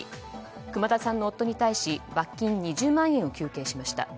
熊田さんの夫に対し罰金２０万円を求刑しました。